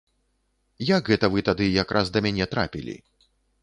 Як гэта вы тады якраз да мяне трапілі?